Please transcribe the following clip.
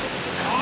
あ！